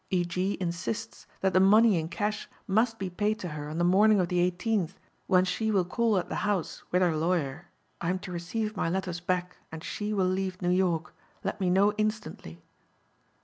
E.G. insists that the money in cash must be paid to her on the morning of the 18th when she will call at the house with her lawyer. I am to receive my letters back and she will leave New York. Let me know instantly."